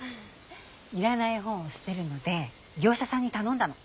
いらない本を捨てるので業者さんに頼んだの。